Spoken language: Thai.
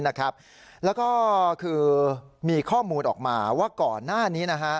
แล้วก็คือมีข้อมูลออกมาว่าก่อนหน้านี้